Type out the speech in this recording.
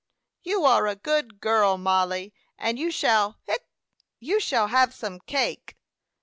"You are a good girl, Mollie, and you shall hic you shall have some cake."